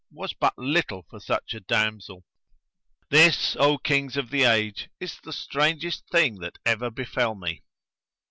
was but little for such a damsel. This, O Kings of the Age, is the strangest thing that ever befel me."